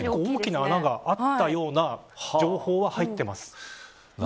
結構大きな穴があったような情報は入っています。